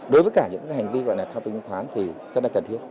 đối với cả những hành vi gọi là thao túng chứng khoán thì rất là cần thiết